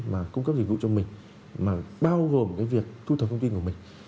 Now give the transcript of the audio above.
mà cung cấp dịch vụ cho mình mà bao gồm cái việc thu thập công ty của mình